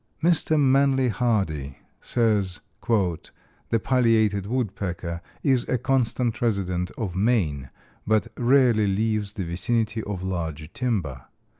Mr. Manly Hardy says: "The Pileated Woodpecker is a constant resident of Maine, but rarely leaves the vicinity of large timber.